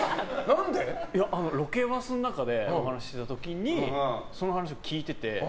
ロケバスの中で話してた時にその話を聞いてて。